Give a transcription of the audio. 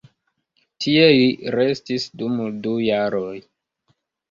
Tie li restis dum du jaroj.